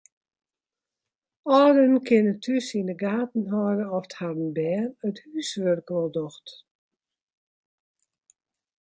Alden kinne thús yn de gaten hâlde oft harren bern it húswurk wol docht.